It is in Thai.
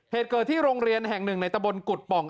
เหตุเกิดที่โรงเรียนแห่งหนึ่งในตะบนกุฎป่อง